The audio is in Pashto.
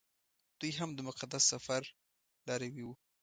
دوی هم د مقدس سفر لاروي وو.